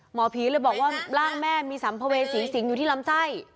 หมอผีเลยบอกว่าร่างแม่มีสัมภเวษีสิงอยู่ที่ลำไส้